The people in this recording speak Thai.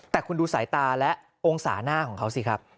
แต่คุณดูสายตาและองศาหน้าของเขาสิครับ